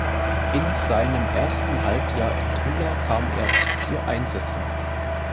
In seinem ersten Halbjahr in Tula kam er zu vier Einsätzen.